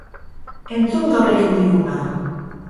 Entzun gaur egin diguna!